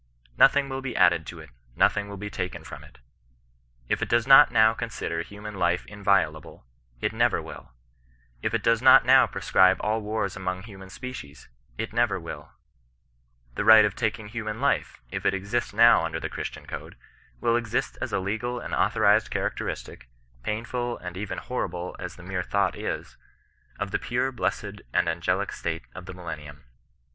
Nothing will be added to it ; nothing will be taken from it. If it does not now consider human life inviolable, it never will ; if it does not now proscribe all wars among the human species, it never will ; the right of taking human life, if it exist now under the Christian code, will exist as a legal and authorized characteristic (painful and even horrible as the mere thought is) of the pure, blessed, and angelic state of the millennium.